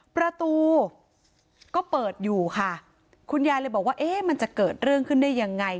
ประตูก็เปิดอยู่ค่ะคุณยายเลยบอกว่าเอ๊ะมันจะเกิดเรื่องขึ้นได้ยังไง